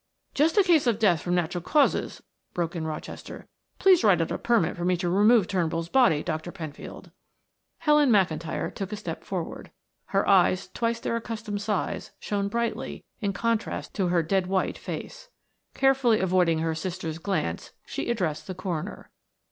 "Just a case of death from natural causes," broke in Rochester. "Please write out a permit for me to remove Turnbull's body, Dr. Penfield." Helen McIntyre took a step forward. Her eyes, twice their accustomed size, shone brightly, in contrast to her dead white face. Carefully avoiding her sister's glance she addressed the coroner.